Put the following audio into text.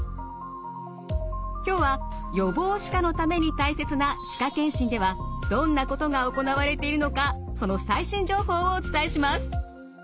今日は予防歯科のために大切な歯科健診ではどんなことが行われているのかその最新情報をお伝えします。